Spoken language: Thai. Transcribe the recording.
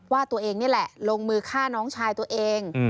ว่าตัวเองนี่แหละลงมือฆ่าน้องชายตัวเอง